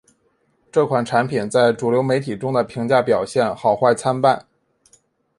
这款产品在主流媒体中的评价表现好坏参半。